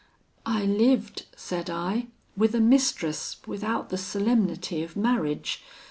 "'I lived,' said I, 'with a mistress without the solemnity of marriage.